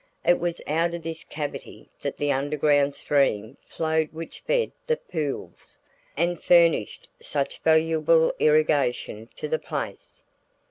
It was out of this cavity that the underground stream flowed which fed the pools, and furnished such valuable irrigation to the place.